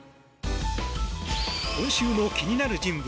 今週の気になる人物